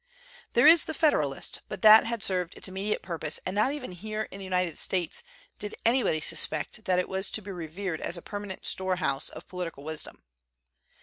There is the ' Federalist,' but that had served its immediate purpose and not even here in the United States did anybody suspect that it was to be revered as a permanent storehouse of political wisdom.